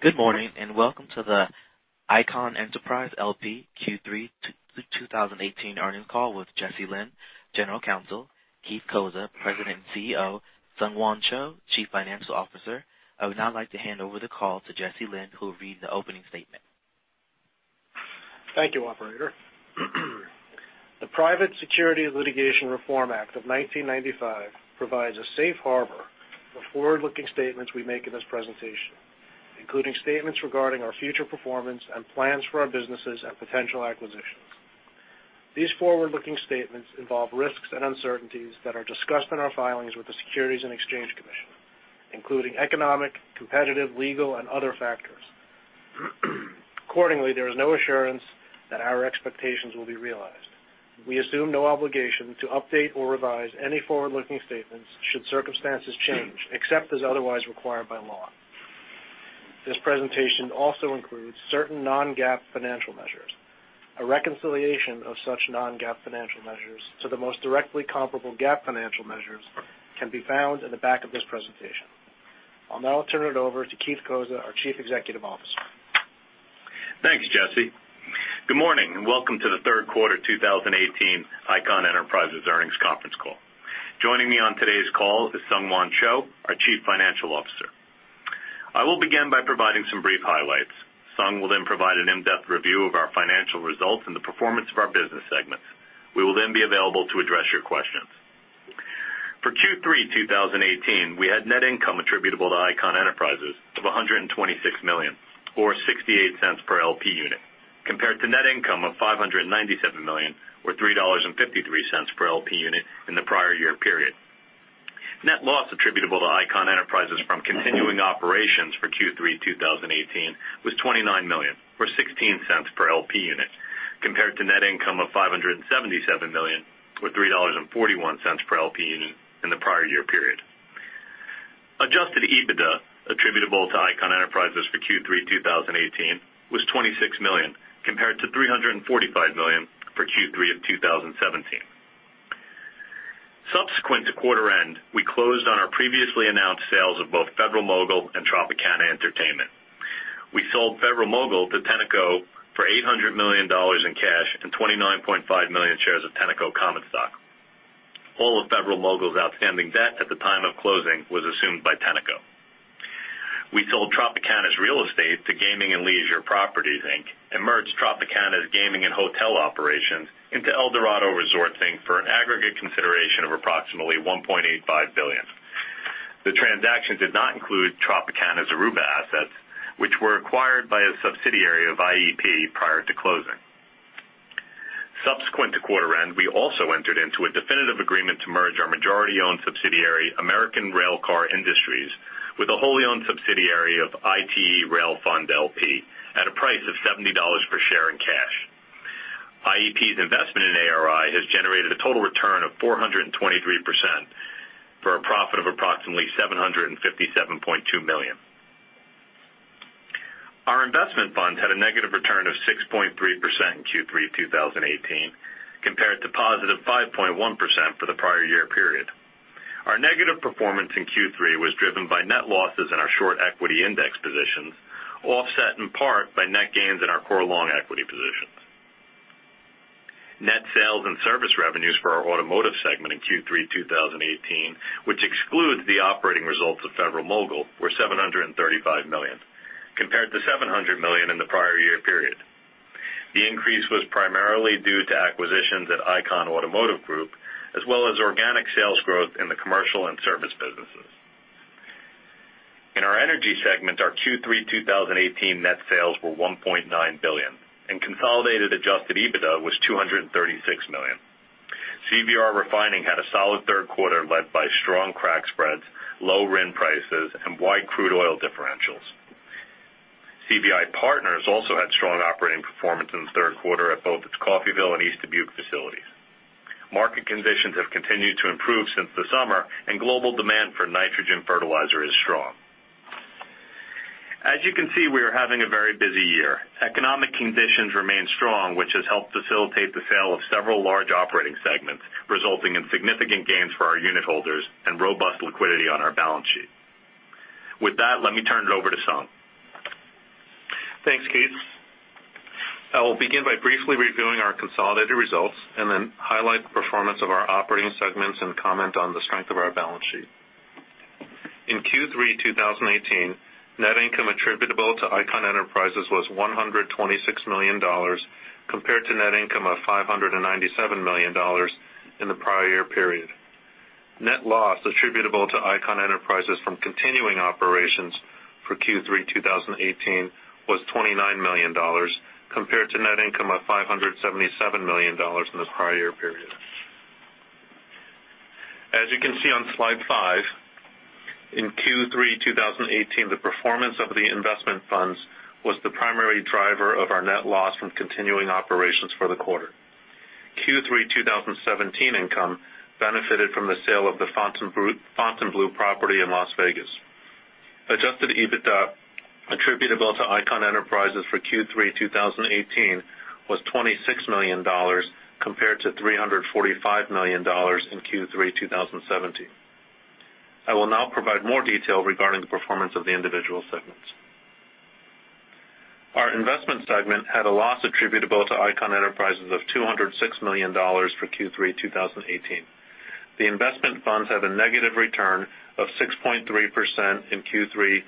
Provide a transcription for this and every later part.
Good morning, welcome to the Icahn Enterprises L.P. Q3 2018 earnings call with Jesse Lynn, General Counsel, Keith Cozza, President and CEO, SungHwan Cho, Chief Financial Officer. I would now like to hand over the call to Jesse Lynn, who will read the opening statement. Thank you, operator. The Private Securities Litigation Reform Act of 1995 provides a safe harbor for forward-looking statements we make in this presentation, including statements regarding our future performance and plans for our businesses and potential acquisitions. These forward-looking statements involve risks and uncertainties that are discussed in our filings with the Securities and Exchange Commission, including economic, competitive, legal and other factors. Accordingly, there is no assurance that our expectations will be realized. We assume no obligation to update or revise any forward-looking statements should circumstances change, except as otherwise required by law. This presentation also includes certain non-GAAP financial measures. A reconciliation of such non-GAAP financial measures to the most directly comparable GAAP financial measures can be found in the back of this presentation. I'll now turn it over to Keith Cozza, our Chief Executive Officer. Thanks, Jesse. Good morning, welcome to the third quarter 2018 Icahn Enterprises Earnings Conference Call. Joining me on today's call is SungHwan Cho, our Chief Financial Officer. I will begin by providing some brief highlights. Sung will then provide an in-depth review of our financial results and the performance of our business segments. We will then be available to address your questions. For Q3 2018, we had net income attributable to Icahn Enterprises of $126 million, or $0.68 per LP unit, compared to net income of $597 million or $3.53 per LP unit in the prior year period. Net loss attributable to Icahn Enterprises from continuing operations for Q3 2018 was $29 million, or $0.16 per LP unit, compared to net income of $577 million or $3.41 per LP unit in the prior year period. Adjusted EBITDA attributable to Icahn Enterprises for Q3 2018 was $26 million, compared to $345 million for Q3 of 2017. Subsequent to quarter end, we closed on our previously announced sales of both Federal-Mogul and Tropicana Entertainment. We sold Federal-Mogul to Tenneco for $800 million in cash and 29.5 million shares of Tenneco common stock. All of Federal-Mogul's outstanding debt at the time of closing was assumed by Tenneco. We sold Tropicana's real estate to Gaming and Leisure Properties, Inc., and merged Tropicana's gaming and hotel operations into Eldorado Resorts, Inc. for an aggregate consideration of approximately $1.85 billion. The transaction did not include Tropicana's Aruba assets, which were acquired by a subsidiary of IEP prior to closing. Subsequent to quarter end, we also entered into a definitive agreement to merge our majority-owned subsidiary, American Railcar Industries, with a wholly-owned subsidiary of ITE Rail Fund L.P. at a price of $70 per share in cash. IEP's investment in ARI has generated a total return of 423% for a profit of approximately $757.2 million. Our investment fund had a negative return of 6.3% in Q3 2018, compared to positive 5.1% for the prior year period. Our negative performance in Q3 was driven by net losses in our short equity index positions, offset in part by net gains in our core long equity positions. Net sales and service revenues for our automotive segment in Q3 2018, which excludes the operating results of Federal-Mogul, were $735 million, compared to $700 million in the prior year period. The increase was primarily due to acquisitions at Icahn Automotive Group, as well as organic sales growth in the commercial and service businesses. In our energy segment, our Q3 2018 net sales were $1.9 billion, and consolidated adjusted EBITDA was $236 million. CVR Refining had a solid third quarter led by strong crack spreads, low RIN prices, and wide crude oil differentials. CVR Partners also had strong operating performance in the third quarter at both its Coffeyville and East Dubuque facilities. Market conditions have continued to improve since the summer, and global demand for nitrogen fertilizer is strong. As you can see, we are having a very busy year. Economic conditions remain strong, which has helped facilitate the sale of several large operating segments, resulting in significant gains for our unit holders and robust liquidity on our balance sheet. With that, let me turn it over to Sung. Thanks, Keith. I will begin by briefly reviewing our consolidated results and then highlight the performance of our operating segments and comment on the strength of our balance sheet. In Q3 2018, net income attributable to Icahn Enterprises was $126 million, compared to net income of $597 million in the prior year period. Net loss attributable to Icahn Enterprises from continuing operations for Q3 2018 was $29 million compared to net income of $577 million in the prior year period. As you can see on slide five, in Q3 2018, the performance of the investment funds was the primary driver of our net loss from continuing operations for the quarter. Q3 2017 income benefited from the sale of the Fontainebleau property in Las Vegas. Adjusted EBITDA attributable to Icahn Enterprises for Q3 2018 was $26 million compared to $345 million in Q3 2017. I will now provide more detail regarding the performance of the individual segments. Our investment segment had a loss attributable to Icahn Enterprises of $206 million for Q3 2018. The investment funds have a negative return of 6.3% in Q3 2018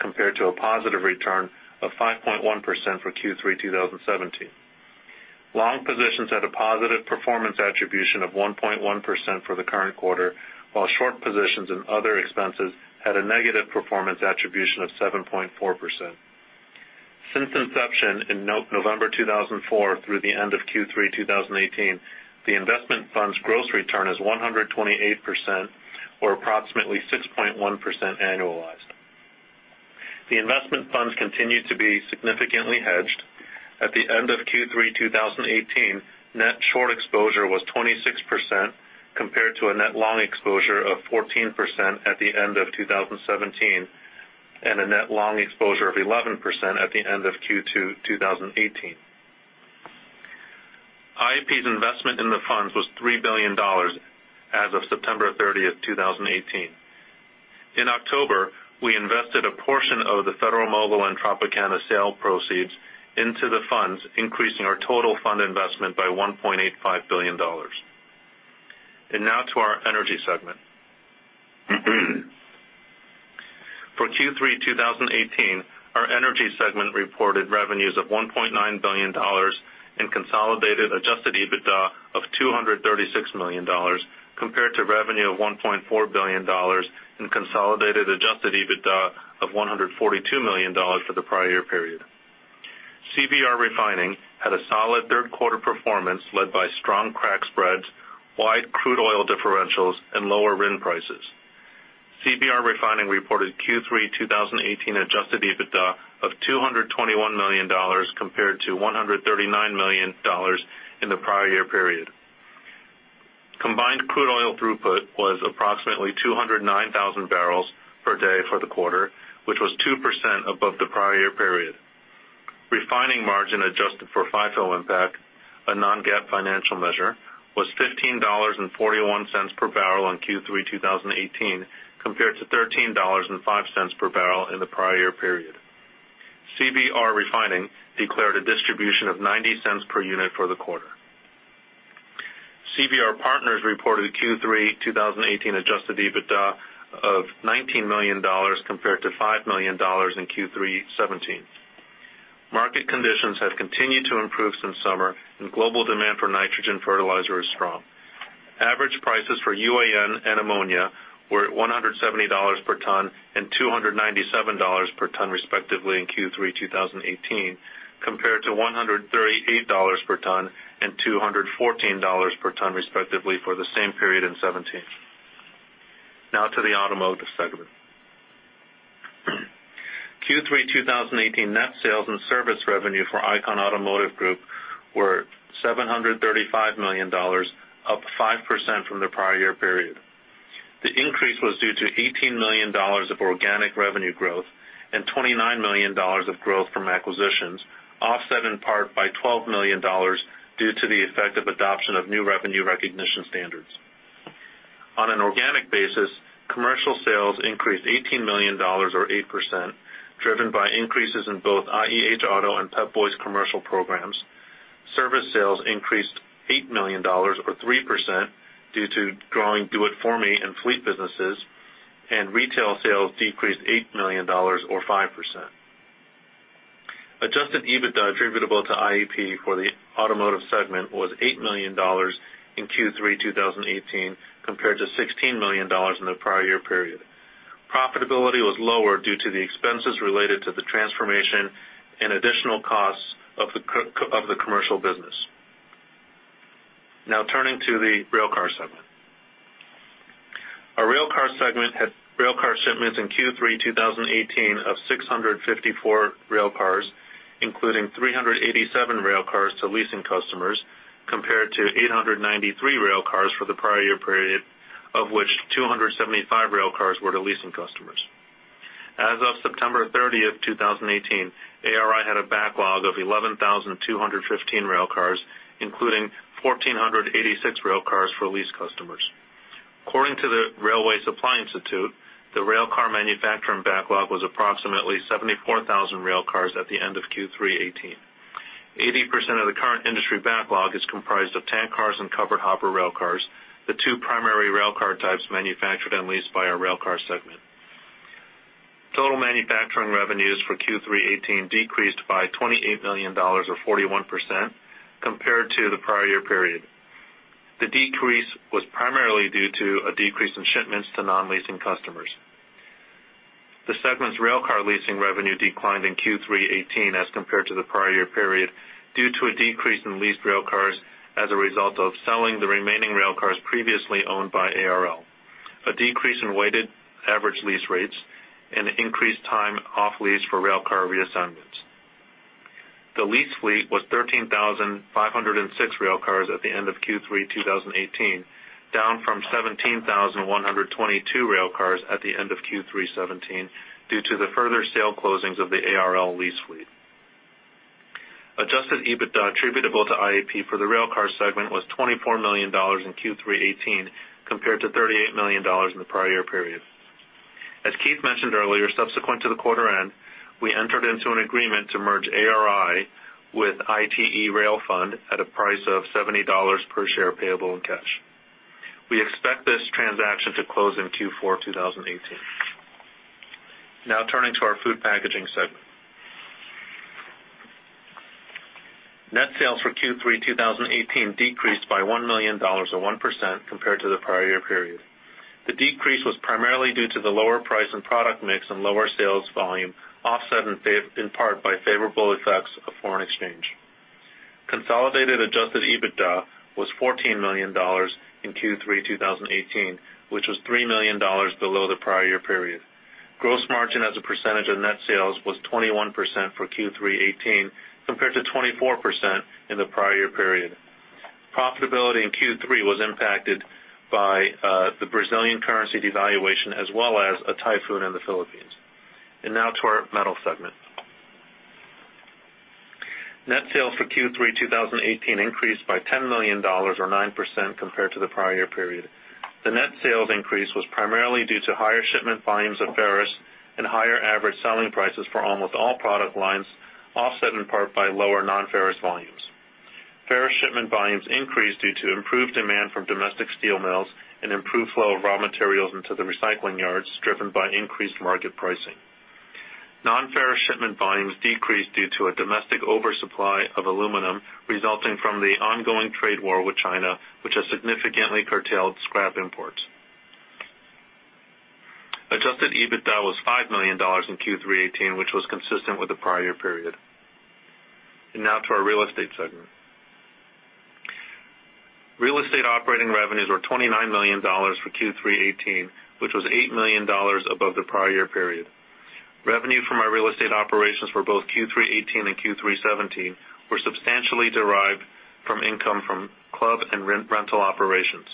compared to a positive return of 5.1% for Q3 2017. Long positions had a positive performance attribution of 1.1% for the current quarter, while short positions and other expenses had a negative performance attribution of 7.4%. Since inception in November 2004 through the end of Q3 2018, the investment fund's gross return is 128%, or approximately 6.1% annualized. The investment funds continue to be significantly hedged. At the end of Q3 2018, net short exposure was 26%, compared to a net long exposure of 14% at the end of 2017, and a net long exposure of 11% at the end of Q2 2018. IEP's investment in the funds was $3 billion as of September 30, 2018. In October, we invested a portion of the Federal-Mogul and Tropicana sale proceeds into the funds, increasing our total fund investment by $1.85 billion. Now to our energy segment. For Q3 2018, our energy segment reported revenues of $1.9 billion in consolidated adjusted EBITDA of $236 million, compared to revenue of $1.4 billion and consolidated adjusted EBITDA of $142 million for the prior year period. CVR Refining had a solid third quarter performance led by strong crack spreads, wide crude oil differentials, and lower RIN prices. CVR Refining reported Q3 2018 adjusted EBITDA of $221 million compared to $139 million in the prior year period. Combined crude oil throughput was approximately 209,000 barrels per day for the quarter, which was 2% above the prior year period. Refining margin adjusted for FIFO impact, a non-GAAP financial measure, was $15.41 per barrel in Q3 2018 compared to $13.05 per barrel in the prior year period. CVR Refining declared a distribution of $0.90 per unit for the quarter. CVR Partners reported Q3 2018 adjusted EBITDA of $19 million compared to $5 million in Q3 2017. Market conditions have continued to improve since summer, and global demand for nitrogen fertilizer is strong. Average prices for UAN and ammonia were at $170 per ton and $297 per ton respectively in Q3 2018, compared to $138 per ton and $214 per ton respectively for the same period in 2017. Now to the automotive segment. Q3 2018 net sales and service revenue for Icahn Automotive Group were $735 million, up 5% from the prior year period. The increase was due to $18 million of organic revenue growth and $29 million of growth from acquisitions, offset in part by $12 million due to the effect of adoption of new revenue recognition standards. On an organic basis, commercial sales increased $18 million, or 8%, driven by increases in both IEH Auto and Pep Boys commercial programs. Service sales increased $8 million, or 3%, due to growing Do It For Me and fleet businesses, and retail sales decreased $8 million or 5%. Adjusted EBITDA attributable to IEP for the automotive segment was $8 million in Q3 2018 compared to $16 million in the prior year period. Profitability was lower due to the expenses related to the transformation and additional costs of the commercial business. Now turning to the railcar segment. Our railcar segment had railcar shipments in Q3 2018 of 654 railcars, including 387 railcars to leasing customers, compared to 893 railcars for the prior year period, of which 275 railcars were to leasing customers. As of September 30, 2018, ARI had a backlog of 11,215 railcars, including 1,486 railcars for lease customers. According to the Railway Supply Institute, the railcar manufacturing backlog was approximately 74,000 railcars at the end of Q3 2018. 80% of the current industry backlog is comprised of tank cars and covered hopper railcars, the two primary railcar types manufactured and leased by our railcar segment. Total manufacturing revenues for Q3 2018 decreased by $28 million, or 41%, compared to the prior year period. The decrease was primarily due to a decrease in shipments to non-leasing customers. The segment's railcar leasing revenue declined in Q3 2018 as compared to the prior year period due to a decrease in leased railcars as a result of selling the remaining railcars previously owned by ARL. A decrease in weighted average lease rates and increased time off lease for railcar reassignments. The lease fleet was 13,506 railcars at the end of Q3 2018, down from 17,122 railcars at the end of Q3 2017 due to the further sale closings of the ARL lease fleet. Adjusted EBITDA attributable to IEP for the railcar segment was $24 million in Q3 2018, compared to $38 million in the prior year period. As Keith mentioned earlier, subsequent to the quarter end, we entered into an agreement to merge ARI with ITE Rail Fund at a price of $70 per share payable in cash. We expect this transaction to close in Q4 2018. Turning to our food packaging segment. Net sales for Q3 2018 decreased by $1 million, or 1%, compared to the prior year period. The decrease was primarily due to the lower price and product mix and lower sales volume, offset in part by favorable effects of foreign exchange. Consolidated Adjusted EBITDA was $14 million in Q3 2018, which was $3 million below the prior year period. Gross margin as a percentage of net sales was 21% for Q3 2018 compared to 24% in the prior year period. Profitability in Q3 was impacted by the Brazilian currency devaluation, as well as a typhoon in the Philippines. Now to our metal segment. Net sales for Q3 2018 increased by $10 million, or 9%, compared to the prior year period. The net sales increase was primarily due to higher shipment volumes of ferrous and higher average selling prices for almost all product lines, offset in part by lower non-ferrous volumes. Ferrous shipment volumes increased due to improved demand from domestic steel mills and improved flow of raw materials into the recycling yards, driven by increased market pricing. Non-ferrous shipment volumes decreased due to a domestic oversupply of aluminum resulting from the ongoing trade war with China, which has significantly curtailed scrap imports. Adjusted EBITDA was $5 million in Q3 2018, which was consistent with the prior year period. Now to our real estate segment. Real estate operating revenues were $29 million for Q3 2018, which was $8 million above the prior year period. Revenue from our real estate operations for both Q3 2018 and Q3 2017 were substantially derived from income from club and rental operations.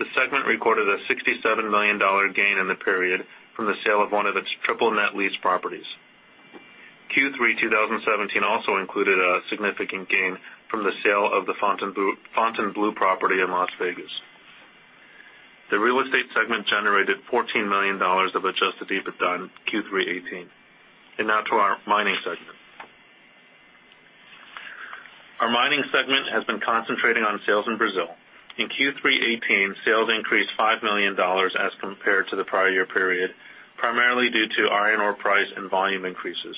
The segment recorded a $67 million gain in the period from the sale of one of its triple net lease properties. Q3 2017 also included a significant gain from the sale of the Fontainebleau property in Las Vegas. The real estate segment generated $14 million of Adjusted EBITDA in Q3 2018. Now to our mining segment. Our mining segment has been concentrating on sales in Brazil. In Q3 2018, sales increased $5 million as compared to the prior year period, primarily due to iron ore price and volume increases.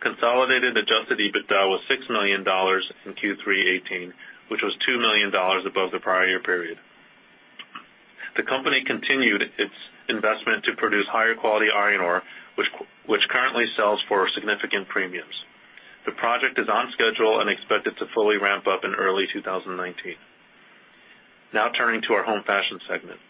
Consolidated Adjusted EBITDA was $6 million in Q3 2018, which was $2 million above the prior year period. The company continued its investment to produce higher-quality iron ore, which currently sells for significant premiums. The project is on schedule and expected to fully ramp up in early 2019. Now turning to our home fashion segment.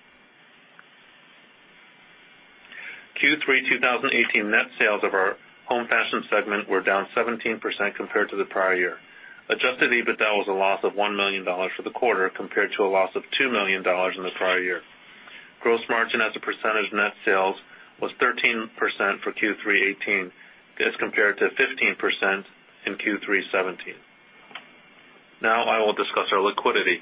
Q3 2018 net sales of our home fashion segment were down 17% compared to the prior year. Adjusted EBITDA was a loss of $1 million for the quarter, compared to a loss of $2 million in the prior year. Gross margin as a percentage of net sales was 13% for Q3 '18 as compared to 15% in Q3 '17. Now I will discuss our liquidity.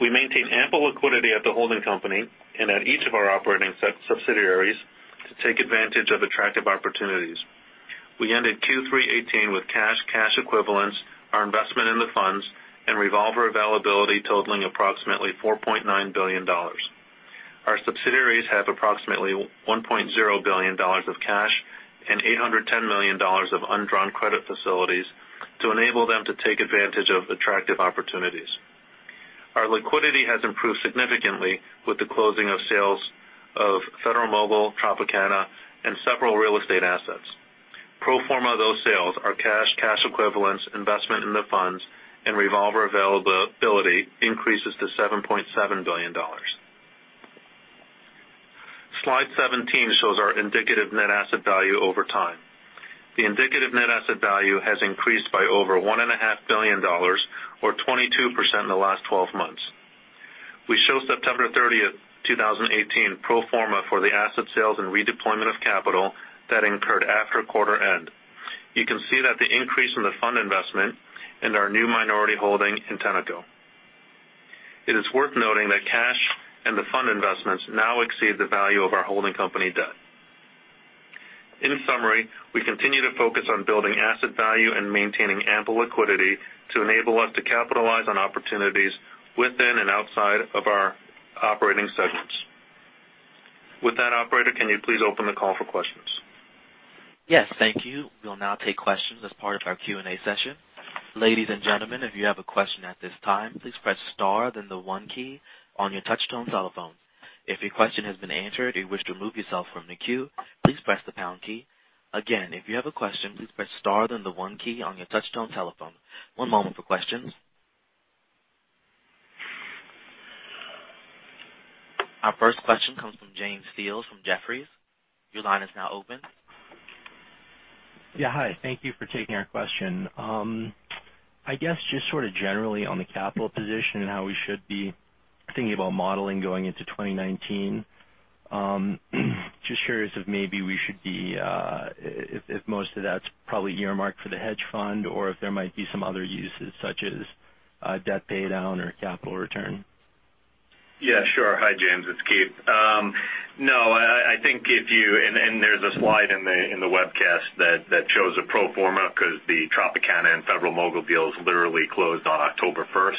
We maintain ample liquidity at the holding company and at each of our operating subsidiaries to take advantage of attractive opportunities. We ended Q3 '18 with cash equivalents, our investment in the funds, and revolver availability totaling approximately $4.9 billion. Our subsidiaries have approximately $1.0 billion of cash and $810 million of undrawn credit facilities to enable them to take advantage of attractive opportunities. Our liquidity has improved significantly with the closing of sales of Federal-Mogul, Tropicana, and several real estate assets. Pro forma of those sales are cash equivalents, investment in the funds, and revolver availability increases to $7.7 billion. Slide 17 shows our indicative net asset value over time. The indicative net asset value has increased by over $1.5 billion, or 22%, in the last 12 months. We show September 30th, 2018 pro forma for the asset sales and redeployment of capital that incurred after quarter end. You can see that the increase in the fund investment and our new minority holding in Tenneco. It is worth noting that cash and the fund investments now exceed the value of our holding company debt. In summary, we continue to focus on building asset value and maintaining ample liquidity to enable us to capitalize on opportunities within and outside of our operating segments. With that, operator, can you please open the call for questions? Yes. Thank you. We'll now take questions as part of our Q&A session. Ladies and gentlemen, if you have a question at this time, please press star then the 1 key on your touch-tone telephone. If your question has been answered or you wish to remove yourself from the queue, please press the pound key. Again, if you have a question, please press star then the 1 key on your touch-tone telephone. One moment for questions. Our first question comes from James Fields from Jefferies. Your line is now open. Yeah. Hi, thank you for taking our question. I guess, just generally on the capital position and how we should be thinking about modeling going into 2019, just curious if most of that's probably earmarked for the hedge fund or if there might be some other uses, such as debt pay down or capital return. Yeah, sure. Hi, James, it's Keith. There's a slide in the webcast that shows a pro forma because the Tropicana and Federal-Mogul deals literally closed on October 1st,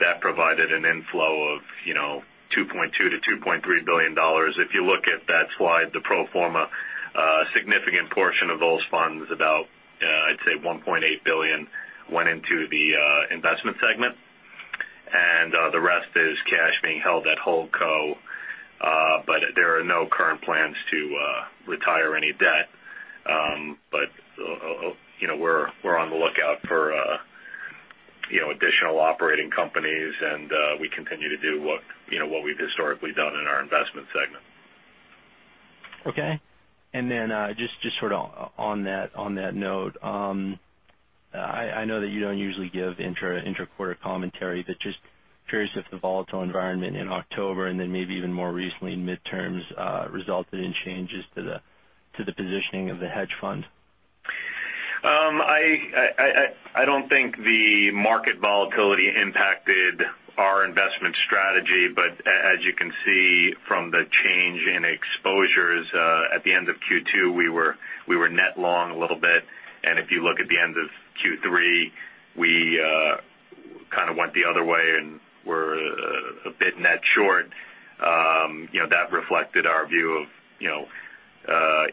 that provided an inflow of $2.2 billion-$2.3 billion. If you look at that slide, the pro forma, a significant portion of those funds, about, I'd say, $1.8 billion, went into the investment segment. The rest is cash being held at Holdco. There are no current plans to retire any debt. We're on the lookout for additional operating companies, and we continue to do what we've historically done in our investment segment. Okay. Just on that note. I know that you don't usually give inter-quarter commentary, just curious if the volatile environment in October and then maybe even more recently in midterms, resulted in changes to the positioning of the hedge fund. I don't think the market volatility impacted our investment strategy. As you can see from the change in exposures at the end of Q2, we were net long a little bit, and if you look at the end of Q3, we kind of went the other way and were a bit net short. That reflected our view of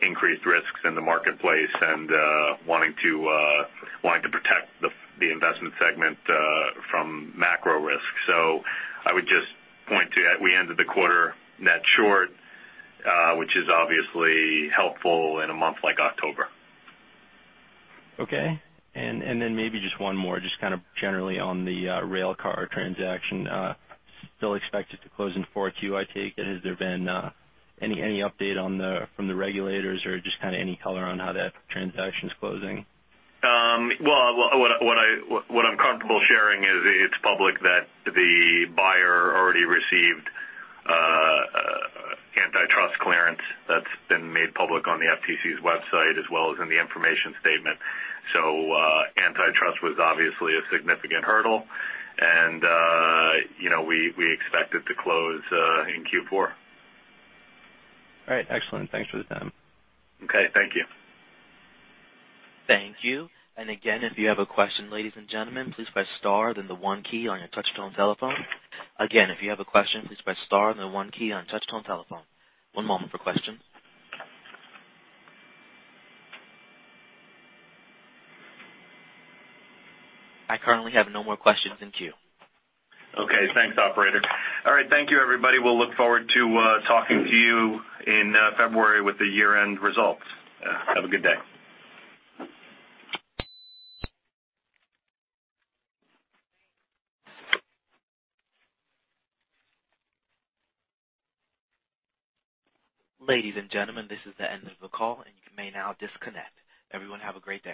increased risks in the marketplace and wanting to protect the investment segment from macro risks. I would just point to that. We ended the quarter net short, which is obviously helpful in a month like October. Okay. Maybe just one more, just generally on the railcar transaction. Still expect it to close in 4Q, I take it. Has there been any update from the regulators or just any color on how that transaction's closing? Well, what I'm comfortable sharing is it's public that the buyer already received antitrust clearance. That's been made public on the FTC's website as well as in the information statement. Antitrust was obviously a significant hurdle, and we expect it to close in Q4. All right. Excellent. Thanks for the time. Okay. Thank you. Thank you. Again, if you have a question, ladies and gentlemen, please press star then the one key on your touch-tone telephone. Again, if you have a question, please press star then the one key on your touch-tone telephone. One moment for questions. I currently have no more questions in queue. Okay. Thanks, operator. All right. Thank you, everybody. We'll look forward to talking to you in February with the year-end results. Have a good day. Ladies and gentlemen, this is the end of the call, and you may now disconnect. Everyone have a great day.